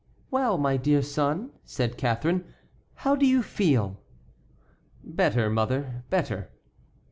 "Well, my dear son," said Catharine, "how do you feel?" "Better, mother, better."